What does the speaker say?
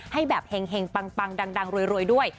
ให้แบบเห็งปังดังรวยด้วย